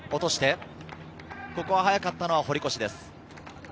ここは速かったのは堀越です。